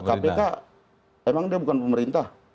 kpk emang dia bukan pemerintah